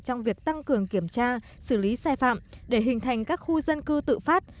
trong việc tăng cường kiểm tra xử lý sai phạm để hình thành các khu dân cư tự phát